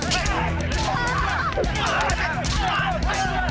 lang mau gak bawa pelan